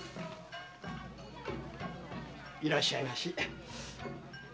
いらっしゃいまし。